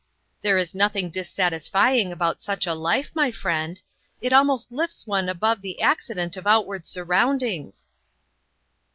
There is nothing dis satisfying about such a life, my friend. It almost lifts one above the accident of out ward surroundings."